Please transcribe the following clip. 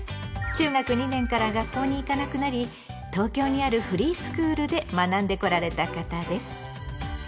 中学２年から学校に行かなくなり東京にあるフリースクールで学んでこられた方です。